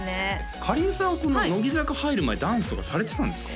りんさんはこの乃木坂入る前ダンスとかされてたんですか？